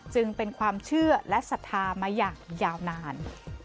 จึงเป็นความเชื่อและศรัทธามาอย่างยาวนาน